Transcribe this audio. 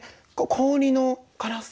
氷のガラス？